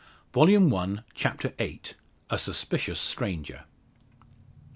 Volume One, Chapter VIII. A SUSPICIOUS STRANGER.